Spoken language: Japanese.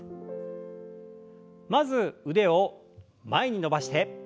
まず腕を前に伸ばして。